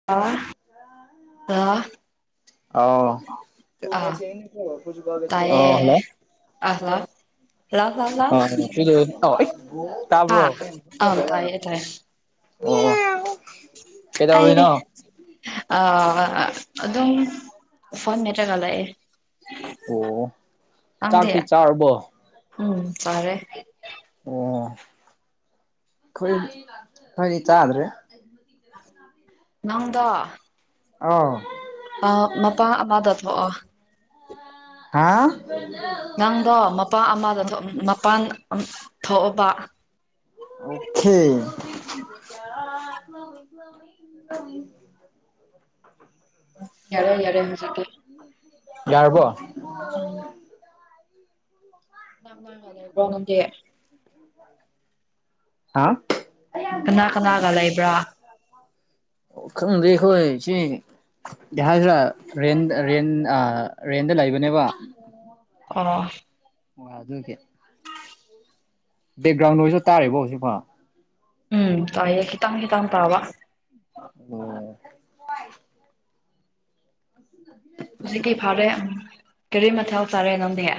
[unintelligible] ꯑꯧ ꯑ [unintelligible] ꯑꫭ ꯇꯥꯏꯌꯦ ꯍꯜꯂꫭ [unintelligible] ꯂ ꯂ ꯂ [unintelligible] ꯇꯥꯕ꯭ꯔꯣ ꯍꯥ ꯑ ꯇꯥꯏꯌꯦ [unintelligible] ꯀꯩꯗꯧꯔꯤꯅꯣ ꯑꯩꯗꯤ ꯑꯥ ꯑꯗꯨꯝ ꯐꯣꯟ ꯃꯦꯠꯂꯒ ꯂꯩꯌꯦ ꯑꯣ ꯅꯪꯗꯤ ꯆꯥꯛꯇꯤ ꯆꯥꯔꯕꯣ ꯎꯝ ꯆꯥꯔꯦ ꯑꯣ ꯈꯣꯏ ꯈꯣꯏꯗꯤ ꯆꯥꯗ꯭ꯔꯤ ꯅꯪꯗꯣ ꯑꯧ ꯑ ꯃꯄꯥ ꯑꯃꯗ ꯊꯣꯛꯑꯣ ꯍꯥ ꯅꯪꯗꯣ ꯃꯄꯥ ꯑꯃꯗ ꯃꯄꯥꯥꯟ ꯊꯣꯛꯑꯣꯕ ꯑꯣꯀꯦ [inaudible] ꯌꯥꯔꯦ ꯌꯥꯔꯦ ꯍꯨꯖꯤꯛꯇꯤ ꯌꯥꯔꯕꯣ ꯎꯝ [unintelligible] ꯂꯩꯕ꯭ꯔꫭ ꯅꯗꯤ ꯍꯥ ꯀꯅꯥ ꯀꯅꯥꯒ ꯂꯩꯕ꯭ꯔꯥ ꯈꯪꯗꯦ ꯑꯈꫭꯏ ꯏꯆꯦ [unintelligible] ꯍꯥꯏꯁꯤꯔ ꯔꯦꯟ ꯔꯦꯟ ꯔꯦꯟꯗ ꯂꯩꯕꯅꯦꯕ ꯑꯣ [unintelligible] ꯑꯗꯨꯒꯤ ꯕꯦꯛꯒ꯭ꯔꯥꯎꯟꯗ ꯑꯣꯏꯁꯨ ꯇꯥꯔꯤꯕꯣ ꯍꯧꯖꯤꯛ ꯐꯥꯎ ꯎꯝ ꯇꯥꯏꯌꯦ ꯈꯤꯇꯪ ꯈꯤꯇꯪ ꯇꯥꯕ ꯑꯣ ꯍꯧꯖꯤꯛꯇꯤ ꯐꯔꯦ ꯎꯝ ꯀꯔꯤ ꯃꯊꯦꯜ ꯆꯥꯔꯦ ꯅꯪꯗꯤ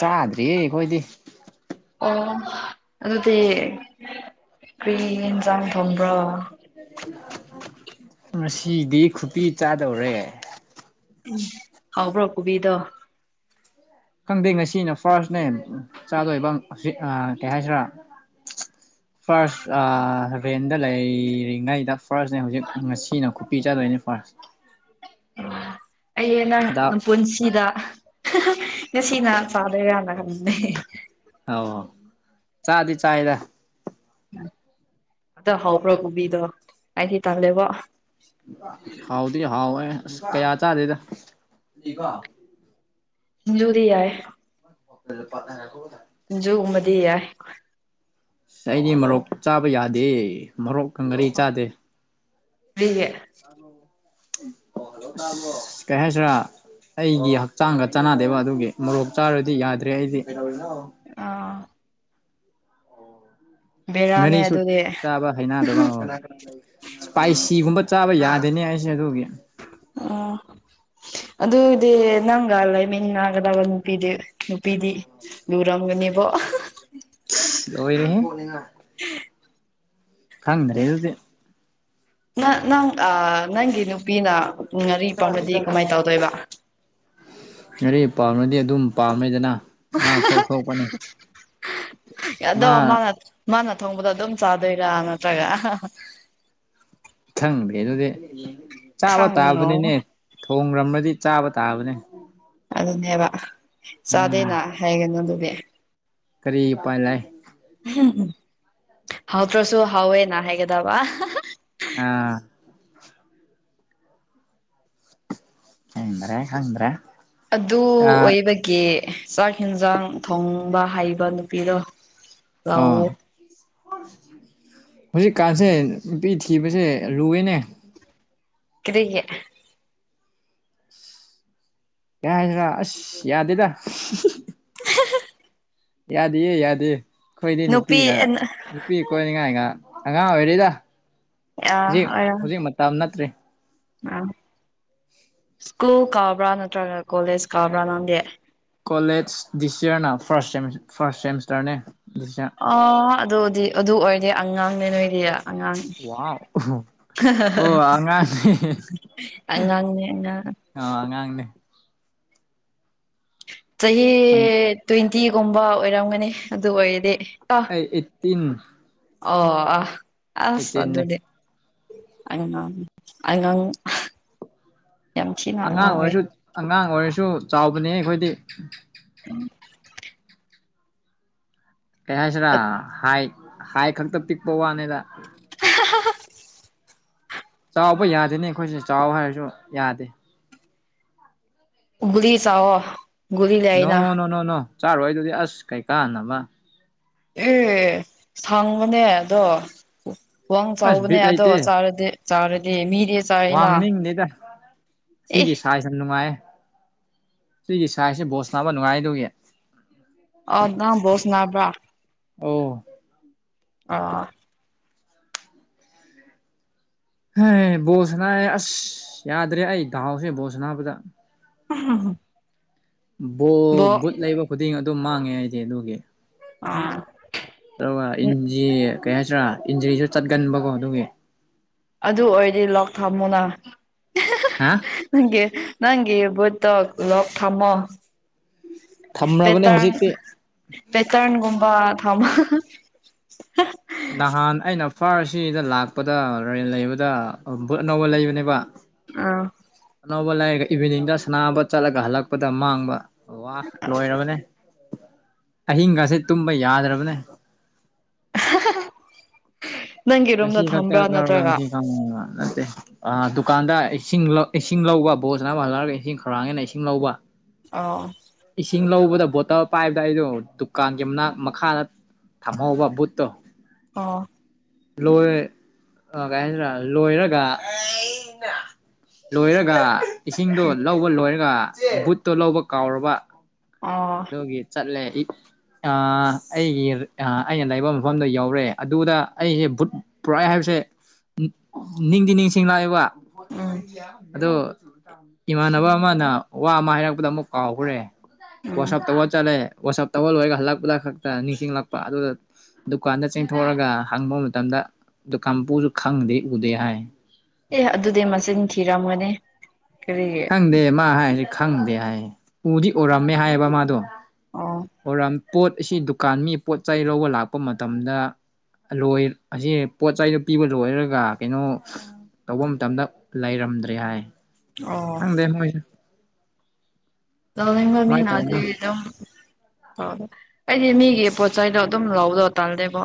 ꯆꯥꯗ꯭ꯔꯤ ꯑꯩꯈꯣꯏꯗꯤ ꯑꯣ ꯑꯗꯨꯗꯤ ꯀ꯭ꯔꯤ ꯏꯟꯖꯥꯡ ꯊꯣꯡꯕ꯭ꯔꯣ [unintelligible] ꯉꯁꯤꯗꯤ ꯈꯨꯄꯤ ꯆꯥꯗꯧꯔꯦ [unintelligible] ꯍꯥꯎꯕ꯭ꯔꯣ ꯈꯨꯕꯤꯗꯣ ꯈꯪꯗꯦ ꯉꯁꯤꯅ ꯐꯥꯔꯁꯅꯦ ꯆꯥꯗꯣꯏꯕ ꯀꯩ ꯍꯥꯏꯁꯤꯔ ꯐꯥꯔꯁ ꯔꯦꯟꯗ ꯂꯩꯔꯤꯉꯩꯗ ꯐꯥꯔꯁꯅꯦ ꯍꯧꯖꯤꯛ ꯉꯁꯤꯅ ꯈꯨꯄꯤ ꯆꯗꯣꯏꯅꯤ ꯐꯥꯔꯁ [unintelligible] ꯑꯩꯗꯤ ꯅꯪ ꯗꯥꯛ ꯅꯄꯨꯟꯁꯤꯗ [unintelligible] ꯉꯁꯤ ꯉꯥ ꯆꯥꯗꯣꯏꯔꯅ ꯍꯪꯕꯅꯦ꯫ ꯑꯧ ꯆꯥꯗꯤ ꯆꯥꯏꯗ꯫ ꯎꯝ ꯇ ꯍꯥꯎꯕ꯭ꯔ ꯀꯨꯕꯤꯗꯣ ꯑꯩꯗꯤ ꯇꯜꯂꯦꯕꯣ꯫ [unintelligible] ꯍꯥꯎꯗꯤ ꯍꯥꯎꯋꯦ ꯑꯁ [unintelligible] ꯀꯌꯥ ꯆꯥꯗꯦꯗ ꯅꯤꯀꯣ꯫ ꯑꯗꯨꯗꯤ ꯌꯥꯏꯌꯦ꯫ [unintelligible] ꯁꯤꯡꯖꯨꯒꯨꯝꯕꯗꯤ ꯌꯥꯏ꯫ ꯑꯩꯗꯤ ꯃꯣꯔꯣꯛ ꯆꯥꯕ ꯌꯥꯗꯦ ꯃꯣꯔꯣꯛꯀ ꯉꯥꯔꯤ ꯆꯥꯗꯦ꯫ ꯀꯩꯒꯤ꯫ ꯇꯥꯕꯔꯣ [unintelligible] ꯑꯣ ꯍꯜꯂꯣ ꯇꯥꯕꯔꯣ ꯀꯩ ꯍꯥꯏꯖꯤꯔꯥ꯫ [unintelligible] ꯑꯩꯒꯤ ꯍꯛꯆꯥꯡꯒ ꯆꯥꯟꯅꯗꯦꯕ ꯑꯗꯨꯒꯤ ꯃꯣꯔꯣꯛ ꯆꯥꯔꯗꯤ ꯌꯥꯗ꯭ꯔꯦ ꯑꯩꯗꯤ ꯀꯩꯗꯧꯔꯤꯅꯣ꯫ ꯑꯥ꯫ ꯕꯦꯔꯥꯅꯦ ꯉꯥꯔꯤꯁꯨ ꯑꯗꯨꯗꯤ ꯆꯥꯕ ꯍꯩꯅꯗꯕ ꯀꯅꯥ ꯀꯅꯥ ꯂꯩ [unintelligible] ꯏꯁꯄꯥꯏꯁꯤꯒꯨꯝꯕ ꯆꯥꯕ ꯌꯥꯗꯦꯅꯦ ꯑꯩꯁꯦ ꯑꯗꯨꯒꯤ꯫ ꯑꯣ꯫ ꯑꯗꯨꯗꯤ ꯅꯪꯒ ꯂꯩꯃꯤꯟꯅꯒꯗꯕ ꯅꯨꯄꯤꯗꯤ ꯅꯨꯄꯤꯗꯤ ꯂꯨꯔꯝꯒꯅꯤꯕꯣ꯫ ꯂꯣꯏꯔꯦꯍꯦ [unintelligible] ꯈꯪꯗ꯭ꯔꯦ ꯑꯗꯨꯗꯤ꯫ ꯅ ꯅꯪ ꯑ ꯅꯪꯒꯤ ꯅꯨꯄꯤꯅ ꯉꯥꯔꯤ ꯄꯥꯝꯂꯗꯤ ꯀꯃꯥꯏ ꯇꯧꯗꯣꯏꯕ꯫ ꯉꯔꯤ ꯄꯥꯝꯂꯗꯤ ꯑꯗꯨꯝ ꯄꯥꯝꯃꯦꯗꯅ ꯃꯥ ꯊꯣꯛ ꯊꯣꯛꯄꯅꯦ꯫ ꯑꯗꯣ ꯃꯥꯅ ꯃꯥꯅ ꯊꯣꯡꯕꯗ ꯑꯗꯨꯝ ꯆꯥꯗꯣꯏꯔꯥ ꯅꯠꯇ꯭ꯔꯒ ꯑꯍꯥ ꯑꯍꯥ꯫ ꯈꯪꯗꯦ ꯑꯗꯨꯗꯤ ꯆꯥꯕ ꯈꯪꯉꯣ ꯇꯥꯕꯅꯤꯅꯦ ꯊꯣꯡꯂꯝꯔꯗꯤ ꯆꯥꯕ ꯇꯥꯕꯅꯦ꯫ ꯑꯗꯨꯅꯦꯕ ꯎꯝ ꯆꯥꯗꯦꯅ ꯍꯥꯏꯒꯅꯨ ꯑꯗꯨꯗꯤ꯫ ꯀꯔꯤ ꯎꯄꯥꯏ ꯂꯩ꯫ ꯍꯥꯎ ꯇ꯭ꯔꯁꯨ ꯍꯥꯎꯋꯦꯅꯥ ꯍꯥꯏꯒꯗꯕ꯫ ꯑꯥ꯫ ꯈꯪꯗ꯭ꯔꯦ ꯈꯪꯗ꯭ꯔꯦ꯫ ꯑꯗꯨ ꯑꯥ ꯑꯣꯏꯕꯒꯤ ꯆꯥꯛ ꯍꯦꯟꯁꯥꯡ ꯊꯣꯡꯕ ꯍꯩꯕ ꯅꯨꯄꯤꯗꯣ ꯑꯥ꯫ ꯂꯧꯋꯣ [unintelligible] ꯍꯧꯖꯤꯛꯀꯥꯟꯁꯦ ꯅꯨꯄꯤ ꯊꯤꯕꯁꯦ ꯂꯨꯋꯦꯅꯦ꯫ ꯀꯔꯤꯒꯤ꯫ ꯀꯩ ꯍꯥꯏꯁꯤꯔ ꯑꯁ ꯌꯥꯗꯦꯗ꯫ [unintelligible] ꯌꯥꯗꯤꯌꯦ ꯌꯥꯗꯦ ꯑꯩꯈꯣꯏꯗꯤ ꯅꯨꯄꯤ ꯅꯨꯄꯤꯒ꯫ ꯅꯨꯄꯤ ꯀꯣꯏꯅꯤꯡꯉꯥꯏꯉ ꯑꯉꯥꯡ ꯑꯣꯏꯔꯤꯗ ꯑꯥ ꯍꯧꯖꯤꯛ ꯑꯣꯏꯔꯝ ꯍꯧꯖꯤꯛ ꯃꯇꯝ ꯅꯠꯇ꯭ꯔꯤ꯫ [unintelligible] [inaudible] ꯁ꯭ꯀꯨꯜ ꯀꯥꯕ꯭ꯔꯥ ꯅꯠꯇ꯭ꯔꯒ ꯀꯣꯂꯦꯖ ꯀꯥꯕ꯭ꯔꯥ ꯅꯪꯗꯤ꯫ ꯀꯣꯂꯦꯖ ꯗꯤꯁꯤꯌꯥꯔꯅ ꯐꯥꯔꯁ ꯁꯦꯃꯤ ꯐꯥꯔꯁ ꯁꯦꯃꯤꯁꯇꯔꯅꯦ ꯗꯤꯖꯥ ꯑꯣ ꯑꯗꯨꯗꯤ ꯑꯗꯨ ꯑꯣꯏꯔꯗꯤ ꯑꯉꯥꯡꯅꯦ ꯅꯣꯏꯗꯤ ꯑꯉꯥꯡꯅꯤ꯫ ꯋꯥꯎ ꯑꯣ ꯑꯉꯥꯡꯅꯦ ꯑꯉꯥꯡꯅꯦ ꯑꯉꯥꯡ꯫ ꯑ ꯑꯉꯥꯡꯅꯦ꯫ ꯆꯍꯤ ꯑꯩ ꯇ꯭ꯋꯦꯟꯇꯤꯒꯨꯝꯕ ꯑꯣꯏꯔꯝꯒꯅꯤ ꯑꯗꯨ ꯑꯣꯏꯔꯗꯤ꯫ ꯑ ꯑꯩ ꯑꯦꯠꯇꯤꯟ ꯑꯣ ꯑ ꯑꯁ ꯑꯩꯠꯇꯤꯟꯅꯦ ꯑꯗꯨꯗꯤ ꯑꯩꯉꯥꯡ ꯑꯩꯉꯡ [unintelligible] ꯑꯉꯥꯡ ꯑꯣꯏꯔꯁꯨ ꯑꯉꯥꯡ ꯑꯣꯏꯔꯁꯨ ꯆꯥꯎꯕꯅꯦ ꯑꯩꯈꯣꯏꯗꯤ ꯎꯝ ꯀꯩ ꯍꯥꯏꯁꯤꯔꯥ ꯍꯥꯏ ꯍꯥꯏ ꯈꯛꯇ ꯄꯤꯛꯄ ꯋꯥꯅꯦꯗ꯫ ꯆꯥꯎꯕ ꯌꯥꯗꯦꯅꯤ ꯑꯩꯈꯣꯏꯁꯦ ꯆꯥꯎ ꯍꯥꯏꯔꯁꯨ ꯌꯥꯗꯦ꯫ ꯒꯨꯂꯤ ꯆꯥꯑꯣ ꯅꯣ ꯅꯣ ꯅꯣ ꯅꯣ ꯆꯥꯔꯣꯏ ꯑꯗꯨꯗꯤ ꯑꯁ ꯀꯩꯀꯥꯟꯅꯕꯥ ꯑꯦ ꯁꯥꯡꯕꯅꯦ ꯑꯗꯣ ꯋꯥꯡ ꯑꯁ ꯆꯥꯎꯕꯅꯦ ꯕꯤꯠ ꯑꯗꯣ ꯂꯩꯇꯦ ꯆꯥꯔꯗꯤ ꯆꯥꯔꯗꯤ ꯃꯤꯗꯤ ꯆꯥꯏꯅꯥ ꯈꯪꯗꯦꯗ ꯁꯤꯒꯤ ꯁꯥꯏꯖ ꯌꯥꯝ ꯅꯨꯡꯉꯥꯏ ꯁꯤꯒꯤ ꯁꯥꯏꯖꯁꯦ ꯕꯣꯁ ꯇꯥꯕ ꯅꯨꯡꯉꯥꯏꯗꯨꯒꯤ ꯑ ꯅꯪ ꯕꯣꯁ ꯁꯥꯟꯅꯕ꯭ꯔꯥ ꯑꯣ ꯑ ꯍ ꯕꯣꯁꯁꯅꯥꯑꯦ ꯑꯁ ꯌꯥꯗ꯭ꯔꯦ ꯑꯩ ꯗꯥꯎꯁꯦ ꯕꯣꯁꯁꯅꯥꯕꯗꯥ ꯍ ꯍ [unintelligible] ꯕꯣ ꯕꯨꯠ ꯂꯩꯕ ꯈꯨꯗꯤꯡ ꯑꯗꯨꯝ ꯃꯥꯡꯉꯦ ꯍꯥꯏꯗꯤ ꯑꯗꯨꯒꯤ ꯑꯥ ꯑꯗꯨꯒ ꯏꯟꯖꯤ ꯀꯩ ꯍꯥꯏꯁꯤꯔꯥ ꯏꯟꯖꯤꯔꯤꯁꯨ ꯆꯠꯀꯟꯕꯀꯣ ꯑꯗꯨꯒꯤ ꯑꯗꯨ ꯑꯣꯏꯔꯗꯤ ꯂꯣꯛ ꯊꯝꯃꯨꯅ ꯍꯥ ꯅꯪꯒꯤ ꯅꯪꯒꯤ ꯕꯨꯠꯇꯣ ꯂꯣꯛ ꯊꯃꯣ ꯊꯝꯔꯕꯅꯦ ꯄꯦꯇꯥꯔꯟ ꯍꯧꯖꯤꯛꯇꯤ ꯄꯦꯇꯔꯟꯒꯨꯝꯕ ꯊꯃ ꯅꯍꯥꯟ ꯑꯩꯅ ꯐꯥꯔꯁꯤꯗ ꯂꯥꯛꯄꯗ ꯔꯦꯟ ꯂꯩꯕꯗ ꯕꯨꯠ ꯑꯅꯧꯕ ꯂꯩꯕꯅꯦꯕꯥ ꯑꯥ ꯑꯅꯧꯕ ꯂꯥꯏꯔꯒ ꯏꯚꯤꯅꯤꯡꯗ ꯁꯅꯥꯕ ꯆꯠꯂꯒ ꯍꯜꯂꯛꯄꯗ ꯃꯥꯡꯕ ꯋꯥ ꯂꯣꯏꯔꯕꯅꯦ꯫ ꯑꯍꯤꯡꯒꯁꯦ ꯇꯨꯝꯕ ꯌꯥꯗ꯭ꯔꯕꯅꯦ꯫ ꯅꯪꯒꯤ ꯉꯁꯤ ꯔꯨꯝꯗ ꯈꯛꯇ ꯊꯝꯕ꯭ꯔꯥ ꯂꯧꯔꯒ ꯅꯠꯇ꯭ꯔꯒ ꯉꯁꯤ ꯈꯪꯕ ꯅꯠꯇꯦ ꯑ ꯗꯨꯀꯥꯟꯗ ꯏꯁꯤꯡ ꯂꯧ ꯏꯁꯤꯡ ꯂꯧꯕ ꯕꯣꯜ ꯁꯥꯟꯅꯥꯕ ꯍꯜꯂꯛꯔꯒ ꯏꯁꯤꯡ ꯈꯧꯔꯥꯡꯉꯦꯅ ꯏꯁꯤꯡ ꯂꯧꯕ ꯑꯣ ꯑꯣ ꯏꯁꯤꯡ ꯂꯧꯕꯗ ꯕꯣꯇꯜ ꯄꯥꯏꯕꯗ ꯑꯩꯗꯣ ꯗꯨꯀꯥꯟꯒꯤ ꯃꯅꯥꯛ ꯃꯈꯥꯗ ꯊꯥꯝꯍꯧꯕ ꯕꯨꯠꯇꯣ ꯑꯣ ꯂꯣꯏꯔꯦ ꯑ ꯀꯩ ꯍꯥꯏꯗꯨꯏꯅꯣ ꯂꯣꯏꯔꯒ ꯑꯩꯅꯥ ꯂꯣꯏꯔꯒ ꯏꯁꯤꯡꯗꯣ ꯎꯝ ꯂꯧꯕ ꯂꯣꯏꯔꯒ ꯕꯨꯠꯇꯣ ꯂꯧꯕ ꯀꯥꯎꯔꯕ ꯑꯣ ꯑꯗꯨꯒꯤ ꯆꯠꯂꯦ ꯑꯩ ꯑ ꯑꯩꯒꯤ ꯑꯩꯅ ꯂꯩꯕ ꯃꯐꯝꯗ ꯌꯧꯔꯦ ꯑꯗꯨꯗ ꯑꯩꯁꯦ ꯕꯨꯠ ꯄꯨꯔꯛꯑꯦ ꯍꯥꯏꯕꯁꯦ ꯅꯤꯡꯗꯤ ꯅꯤꯡꯁꯤꯡ ꯂꯥꯛꯑꯦꯕ ꯎꯝ ꯑꯗꯣ ꯏꯃꯥꯟꯅꯕ ꯑꯃꯅ ꯋꯥ ꯑꯃ ꯍꯥꯏꯔꯛꯄꯗ ꯑꯃꯨꯛ ꯀꯥꯎꯈ꯭ꯔꯦ? ꯎꯝ ꯋꯥꯁꯞ ꯇꯧꯕꯥ ꯆꯠꯂꯦ ꯋꯥꯁꯞ ꯇꯧꯕꯥꯂꯣꯏꯔꯒ ꯍꯜꯂꯛꯄꯈꯛꯇ ꯅꯤꯡꯁꯤꯡꯂꯛꯄ ꯑꯗꯨꯗ ꯗꯨꯀꯥꯟꯗ ꯆꯦꯡꯊꯣꯛꯑꯒ ꯍꯪꯕ ꯃꯇꯝꯗ ꯑꯗꯣ ꯀꯥꯡꯄꯨꯁꯨ ꯈꯪꯗꯦ ꯎꯗꯦ ꯍꯥꯏ ꯑꯦ ꯑꯗꯨꯗꯤ ꯃꯆꯤꯟ ꯊꯤꯔꯝꯃꯅꯤ ꯈꯪꯗꯦ ꯃꯥ ꯍꯥꯏꯁꯦ ꯈꯪꯗꯦ ꯍꯥꯏꯌꯦ ꯎꯗꯤ ꯎꯔꯝꯃꯦ ꯍꯥꯏꯌꯦꯕ ꯃꯥꯗꯣ ꯑꯣ ꯑꯣꯔꯝ ꯄꯣꯠ ꯑꯁꯤ ꯗꯨꯀꯥꯟ ꯃꯤ ꯄꯣꯠ ꯆꯩ ꯂꯧꯕ ꯂꯥꯛꯄ ꯃꯇꯝꯗ ꯑꯂꯣꯏ ꯑꯁꯤ ꯄꯣꯠ ꯆꯩꯗꯣ ꯄꯤꯕ ꯂꯣꯏꯔꯒ ꯀꯩꯅꯣ ꯇꯧꯕ ꯃꯇꯝꯗ ꯂꯩꯔꯝꯗ꯭ꯔꯦ ꯍꯥꯏ ꯑꯣ ꯍꯣꯏ ꯇꯧꯅꯤꯡꯕ ꯀꯃꯥꯏꯅ ꯃꯤꯅꯗꯤ ꯇꯧꯕꯅꯣ ꯗꯨꯝ ꯑꯗ ꯑꯩꯗꯤ ꯃꯤꯒꯤ ꯄꯣꯠꯆꯩꯗꯣ ꯑꯗꯨꯝ ꯂꯧꯕꯗꯣ ꯇꯥꯜꯂꯦꯕꯣ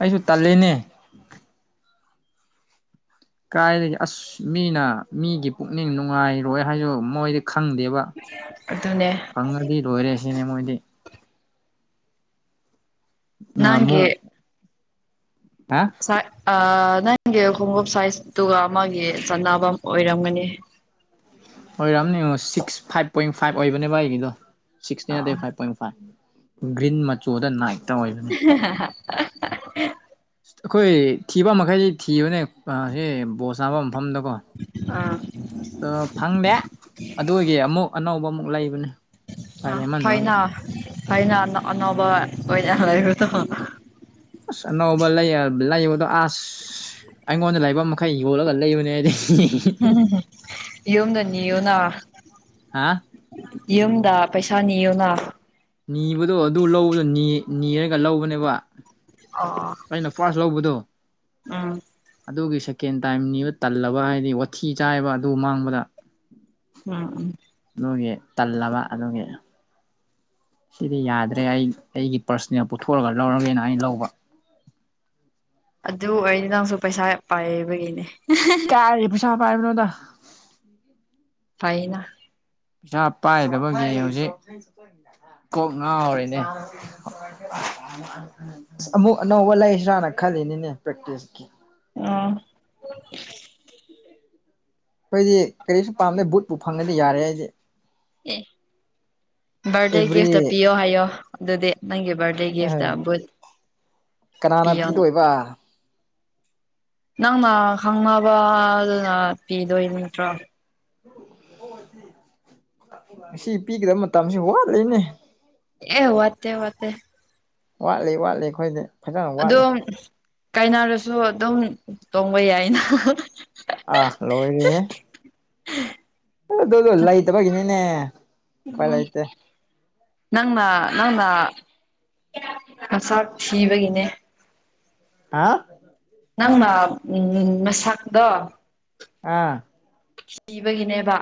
ꯑꯩꯁꯨ ꯇꯂꯦꯅꯦ ꯀꯥꯏꯗꯒꯤ ꯑꯁ ꯃꯤꯅ ꯃꯤꯒꯤ ꯄꯨꯛꯅꯤꯡ ꯅꯨꯡꯉꯥꯏꯔꯣꯏ ꯍꯥꯏꯁꯨ ꯃꯣꯏꯗꯤ ꯈꯪꯗꯦꯕ ꯑꯗꯨꯅꯦ ꯐꯪꯉꯗꯤ ꯂꯣꯏꯔꯦ ꯁꯤꯅꯦ ꯃꯣꯏꯗꯤ ꯅꯍꯥꯟꯃꯨꯛ ꯅꯪꯒꯤ ꯍꯥ ꯑ ꯅꯪꯒꯤ ꯈꯣꯡꯎꯞ ꯁꯥꯏꯖꯇꯨꯒ ꯑꯃꯒꯤ ꯆꯥꯟꯅꯕꯝ ꯑꯣꯏꯔꯝꯒꯅꯤ ꯍꯣꯏꯔꯥꯝꯅꯤ ꯌꯦꯡꯉꯣ ꯁꯤꯛꯁ ꯐꯥꯏꯚ ꯄꯣꯏꯟ ꯐꯥꯏꯚ ꯑꯣꯏꯕꯅꯦꯕ ꯑꯩꯒꯤꯗꯣ ꯁꯤꯛꯁꯇꯤ ꯅꯠꯇꯦ ꯐꯥꯏꯚ ꯄꯣꯏꯟ ꯐꯥꯏꯚ ꯒ꯭ꯔꯤꯟ ꯃꯆꯨꯗ ꯅꯥꯏꯟ [unintelligible] ꯑꯩꯈꯣꯏ ꯊꯤꯕ ꯃꯈꯩꯗꯤ ꯊꯤꯕꯅꯦ ꯑ ꯍ ꯕꯣꯜ ꯁꯥꯟꯕꯝ ꯃꯐꯝꯗꯀꯣ ꯑ ꯑꯥ ꯐꯪꯗꯦ ꯑꯗꯨꯒꯤ ꯑꯃꯨꯛ ꯑꯅꯧꯕ ꯑꯃꯨꯛ ꯂꯩꯕꯅꯦ ꯑ ꯎꯄꯥꯏ ꯂꯩꯃꯟꯕꯒꯤ ꯐꯩꯅ ꯐꯩꯅ ꯅ ꯑꯅꯧꯕ ꯑꯣꯏꯅ ꯂꯩꯔꯣꯗꯥꯀꯣ ꯑꯁ ꯑꯅꯧꯕ ꯂꯩ ꯑ ꯂꯩꯕꯗꯣ ꯑꯁ ꯑꯩꯉꯣꯟꯗ ꯂꯩꯕ ꯃꯈꯩ ꯌꯣꯜꯂꯒ ꯂꯩꯕꯅꯦ ꯍꯥꯏꯗꯤ ꯎꯝ ꯍꯨꯝ ꯍꯨꯝ ꯌꯣꯝꯗ ꯅꯤꯌꯣꯅꯥ ꯍꯥ ꯌꯨꯝꯗ ꯄꯩꯁꯥ ꯅꯤꯌꯨꯅ ꯅꯤꯕꯗꯣ ꯑꯗꯨ ꯂꯧꯕꯗꯣ ꯅꯤ ꯅꯤꯔꯒ ꯂꯧꯕꯅꯦꯕ ꯑꯥ ꯑꯩꯅ ꯐꯥꯔꯁ ꯂꯧꯕꯗꯣ ꯎꯝ ꯑꯗꯨꯒꯤ ꯁꯦꯀꯦꯟ ꯇꯥꯏꯝ ꯅꯤꯕ ꯇꯜꯂꯕ ꯍꯥꯏꯗꯤ ꯋꯥꯊꯤ ꯆꯥꯏꯕ ꯑꯗꯨ ꯃꯥꯡꯕꯗ ꯎꯝ ꯎꯝ ꯗꯨꯒꯤ ꯇꯜꯂꯕ ꯑꯗꯨꯒꯤ ꯁꯤꯗꯤ ꯌꯥꯗ꯭ꯔꯦ ꯑꯩ ꯑꯩꯒꯤ ꯄꯔꯁꯅꯦꯜ ꯄꯨꯊꯣꯛꯑꯒ ꯂꯧꯔꯒꯦꯅ ꯑꯩ ꯂꯧꯕ ꯑꯗꯨ ꯑꯣꯏꯔꯗꯤ ꯅꯪꯁꯨ ꯄꯩꯁꯥ ꯄꯥꯏꯕꯒꯤꯅꯦ ꯀꯥꯏꯗꯩ ꯄꯩꯁꯥ ꯄꯥꯕꯅꯣꯗ ꯐꯥꯏꯅ ꯄꯩꯁꯥ ꯄꯥꯏꯗꯕꯒꯤ ꯍꯧꯖꯤꯛ ꯀꯣꯛ ꯉꯥꯎꯔꯤꯅꯦ ꯑꯁ ꯑꯃꯨꯛ ꯑꯅꯧꯕ ꯂꯩꯁ꯭ꯔꯥꯅ ꯈꯜꯂꯤꯅꯤꯅꯦ ꯄ꯭ꯔꯦꯛꯇꯤꯁꯀꯤ ꯑꯥ ꯑꯩꯈꯣꯏꯗꯤ ꯀꯔꯤꯁꯨ ꯄꯥꯝꯗ ꯕꯨꯠꯄꯨ ꯐꯪꯉꯗꯤ ꯌꯥꯔꯦ ꯑꯩꯗꯤ ꯑꯦ ꯕꯥꯔꯗꯦ ꯑꯦꯕ꯭ꯔꯤ ꯒꯤꯐꯇ ꯄꯤꯌꯣ ꯍꯥꯏꯌꯣ ꯑꯗꯨꯗꯤ ꯅꯪꯒꯤ ꯕꯔꯗꯦ ꯒꯤꯐꯠꯇ ꯕꯨꯠ ꯀꯅꯥꯅ ꯄꯤꯌꯣꯅ ꯄꯤꯗꯣꯏꯕ ꯅꯪꯅ ꯈꯪꯅꯕ ꯑꯗꯨꯅ ꯄꯤꯗꯣꯏ ꯅꯠꯇ꯭ꯔꯣ ꯁꯤ ꯄꯤꯒꯗꯕ ꯃꯇꯝꯁꯤ ꯋꯥꯠꯂꯤꯅꯦ ꯑꯦ ꯋꯥꯠꯇ ꯋꯥꯠꯇ ꯋꯥꯠꯂꯤ ꯋꯥꯠꯂꯤ ꯑꯩꯈꯣꯢꯗꯤ ꯑꯗꯣ ꯀꯥꯢꯅꯔꯁꯨ ꯑꯗꯨꯝ ꯇꯣꯡꯕ ꯌꯥꯢꯌꯦꯅ ꯑꯥ ꯂꯣꯢꯔꯦꯍꯦ ꯑꯗꯨꯂꯣ ꯂꯩꯇꯕꯒꯤꯅꯤꯅꯦ ꯎꯄꯥꯏ ꯎꯝ ꯂꯩꯇꯦ ꯅꯪꯅ ꯅꯪꯅ ꯃꯆꯥꯛ ꯊꯤꯕꯒꯤꯅꯦ ꯍꯥꯥ ꯅꯪꯅ ꯃꯁꯛꯇꯣ ꯑꯥ ꯁꯤꯕꯒꯤꯅꯦꯕ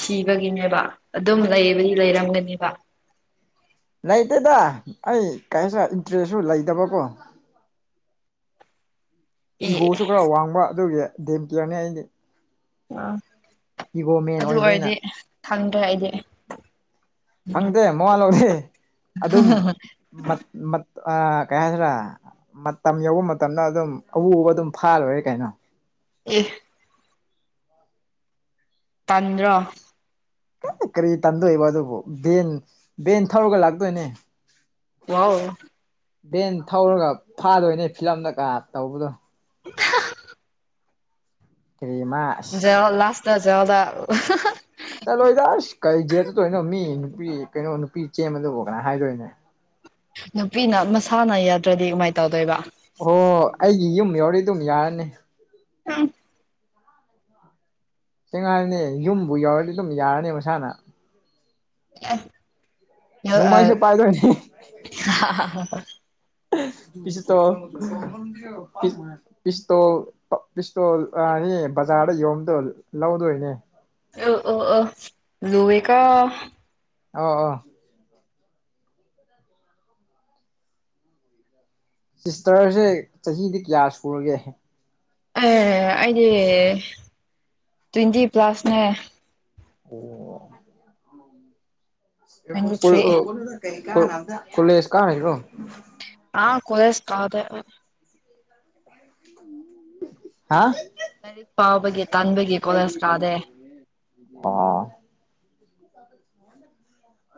ꯁꯤꯕꯒꯤꯅꯦꯕ ꯑꯗꯨꯝ ꯂꯩꯕꯗꯤ ꯂꯩꯔꯝꯒꯅꯦꯕ ꯂꯩꯇꯦꯗ ꯑꯩ ꯀꯩꯁꯨ ꯏꯟꯇꯔꯦꯁꯁꯨ ꯂꯩꯇꯕꯀꯣ ꯑꯦ ꯏꯒꯣꯁꯨ ꯈꯔ ꯋꯥꯡꯕ ꯑꯗꯨꯒꯤ ꯗꯦꯝꯇꯤꯌꯔꯅꯤ ꯑꯩꯗꯤ ꯑ ꯏꯒꯣ ꯃꯦꯟ ꯑꯗꯨ ꯑꯣꯏꯕꯅꯤꯅ ꯑꯣꯢꯔꯗꯤ ꯈꯪꯗ꯭ꯔꯦ ꯑꯩꯗꯤ ꯐꯪꯗꯦ ꯃꯉꯥ ꯂꯧꯗꯦ ꯑꯗꯨꯝ [unintelligible] ꯀꯩ ꯍꯥꯢꯗꯔꯥ ꯃꯇꯝ ꯌꯧꯕ ꯃꯇꯝꯗ ꯑꯗꯨꯝ ꯑꯎ ꯑꯎꯕ ꯑꯗꯨꯝ ꯐꯥꯔ ꯂꯣꯢꯔꯦ ꯀꯩꯅꯣ ꯑꯦ ꯇꯟꯗ꯭ꯔꯣ ꯀꯔꯤ ꯀꯔꯤ ꯇꯝꯗꯣꯢꯕꯨ ꯑꯗꯨꯕꯨ ꯚꯦꯟ ꯚꯦꯟ ꯊꯧꯔꯒ ꯂꯥꯛꯇꯣꯢꯅꯦ ꯋꯥꯎ ꯚꯦꯟ ꯊꯧꯔꯒ ꯐꯥꯗꯣꯢꯅꯦ ꯐꯤꯂꯝꯗ ꯀ ꯇꯧꯕꯗꯣ [unintelligible] ꯀꯔꯤꯃ [unintelligible] ꯆꯠꯂꯣꯢꯗ ꯑꯁ ꯀꯔꯤ ꯖꯦꯠ ꯆꯠꯇꯣꯢꯅꯣ ꯃꯤ ꯅꯨꯄꯤ ꯀꯩꯅꯣ ꯅꯨꯄꯤ ꯆꯦꯟꯃꯗꯕ ꯀꯅꯥ ꯍꯥꯢꯗꯣꯢꯅꯦ ꯅꯨꯄꯤꯅ ꯃꯁꯥꯅ ꯌꯥꯗ꯭ꯔꯗꯤ ꯀꯃꯥꯢꯅ ꯇꯧꯗꯣꯢꯕ ꯑꯣ ꯑꯩꯒꯤ ꯌꯨꯝ ꯌꯥꯎꯔꯤ ꯑꯗꯨꯝ ꯌꯥꯔꯅꯤ [unintelligible] ꯆꯦꯡꯉꯥꯢꯔꯅꯦ ꯌꯨꯝꯕꯨ ꯌꯥꯎꯔꯗꯤ ꯑꯗꯨꯝ ꯌꯥꯔꯅꯤ ꯃꯁꯥꯅ ꯑꯦ ꯅꯣꯡꯃꯥꯢꯁꯨ ꯄꯥꯢꯗꯣꯢꯅꯦ [unintelligible] ꯄꯤꯁꯨꯇꯣꯜ ꯄꯤꯁ ꯄꯤꯁꯇꯣꯜ ꯄꯤꯁꯇꯣꯜ ꯑꯅꯤ ꯕꯖꯥꯔꯗ ꯌꯣꯟꯕꯗ ꯂꯧꯗꯣꯢꯅꯦ ꯑꯧ ꯑꯧ ꯑꯧ ꯂꯨꯋꯦ ꯀꯣ ꯑꯣ ꯑꯣ [inaudible] [inaudible] ꯁꯤꯁꯇꯔꯁꯦ ꯆꯍꯤꯗꯤ ꯀꯌꯥ ꯁꯨꯔꯒꯦ ꯑꯦ ꯑꯩꯗꯤ ꯇ꯭ꯋꯦꯟꯇꯤ ꯄ꯭ꯂꯁꯅꯦ ꯑꯣ ꯇ꯭ꯋꯦꯟꯇꯤ ꯊ꯭ꯔꯤ [unintelligible] ꯀꯣꯂꯦꯖ ꯀꯥꯔꯤꯔꯣ ꯑꯥ ꯀꯣꯂꯦꯖ ꯀꯥꯗꯦ ꯑꯩ [unintelligible] ꯍꯥ ꯂꯥꯏꯔꯤꯛ ꯄꯥꯕꯒꯤ ꯇꯟꯕꯒꯤ ꯀꯣꯂꯦꯖ ꯀꯥꯗꯦ ꯑꯥ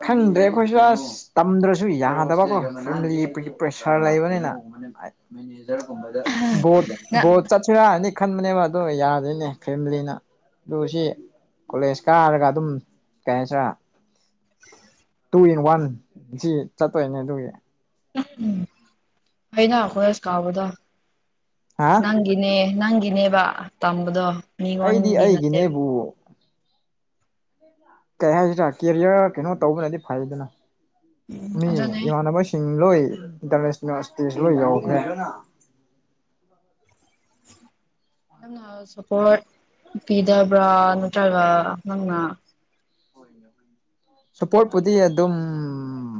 ꯈꯪꯗ꯭ꯔꯦ ꯑꯩꯈꯣꯏꯁꯨ ꯑꯁ ꯇꯝꯗ꯭ꯔꯁꯨ ꯌꯥꯗꯕꯀꯣ ꯌꯨꯝꯗꯒꯤ ꯄꯤ ꯄ꯭ꯔꯦꯁꯔ ꯂꯩꯕꯅꯤꯅ ꯑ ꯕꯣꯠ ꯅ ꯕꯣꯠ ꯆꯠꯁꯦꯔꯥꯅꯗꯤ ꯈꯟꯕꯅꯦꯕ ꯑꯗꯨ ꯌꯥꯗꯦꯅꯦ ꯐꯦꯃꯤꯂꯤꯅ ꯇꯨ ꯁꯤ ꯀꯣꯂꯦꯖ ꯀꯥꯔꯒ ꯑꯗꯨꯝ ꯀꯩ ꯍꯥꯏꯁꯤꯔ ꯇꯨ ꯏꯟ ꯋꯥꯟ ꯁꯤ ꯆꯠꯇꯣꯏꯅꯦ ꯑꯗꯨꯒꯤ ꯐꯩꯅꯥ ꯀꯣꯂꯦꯁ ꯀꯥꯕꯗꯣ ꯍꯥ ꯅꯪꯒꯤꯅꯦ ꯅꯪꯒꯤꯅꯦꯕ ꯇꯝꯕꯗꯣ ꯑꯩꯗꯤ ꯃꯤꯉꯣꯟꯒꯤ ꯅꯠꯇꯦꯕ ꯑꯩꯒꯤꯅꯦꯕꯨ ꯀꯩ ꯍꯥꯏꯁꯤꯔ ꯀꯦꯔꯤꯌꯔ ꯀꯩꯅꯣ ꯇꯧꯕꯅꯗꯤ ꯐꯩꯗꯅ ꯃꯤ ꯑꯗꯨꯅꯦ ꯏꯃꯥꯟꯅꯕ ꯁꯤ ꯁꯤꯡ ꯂꯣꯏ ꯏꯟꯇꯔꯅꯦꯁꯅꯦꯜ ꯏꯁꯇꯦꯖ ꯂꯣꯏ ꯌꯧꯈ꯭ꯔꯦ [inaudible] ꯅꯪꯅ ꯁꯄꯣꯔꯠ ꯄꯤꯗꯕ꯭ꯔꯥ ꯅꯠꯇ꯭ꯔꯒ ꯅꯪꯅ ꯁꯣꯄꯣꯔꯠꯄꯨꯗꯤ ꯑꯗꯨꯝ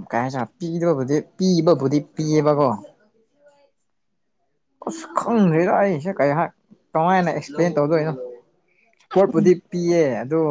ꯀꯩꯍꯥꯏꯁꯦꯔꯥ ꯄꯤꯗꯕꯨꯗꯤ ꯄꯤꯕꯕꯨꯗꯤ ꯄꯤꯌꯦꯕꯀꯣ ꯑꯁ ꯈꯪꯗ꯭ꯔꯤꯗ ꯑꯩꯒꯤꯁꯦ ꯀꯩ ꯍꯥꯏ ꯀꯃꯥꯏꯅ ꯑꯦꯛꯁꯄ꯭ꯂꯦꯟ ꯇꯧꯗꯣꯏꯅꯣ ꯄꯣꯔꯠꯄꯨꯗꯤ ꯄꯤꯌꯦ ꯑꯗꯣ